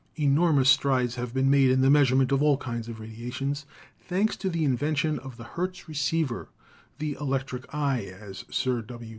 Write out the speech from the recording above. Enormous strides have been made in the measurement of all kinds of radiations, thanks to the in vention of the Hertz receiver — the "electric eye," as Sir W.